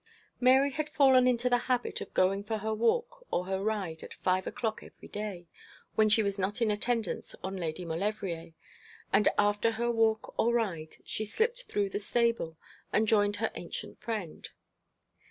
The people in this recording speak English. Mary had fallen into the habit of going for her walk or her ride at five o'clock every day, when she was not in attendance on Lady Maulevrier, and after her walk or ride she slipped through the stable, and joined her ancient friend.